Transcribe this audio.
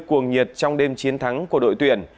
cuồng nhiệt trong đêm chiến thắng của đội tuyển